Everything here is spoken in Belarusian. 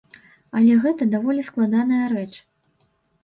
Але гэта даволі складаная рэч.